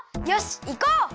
よしいこう！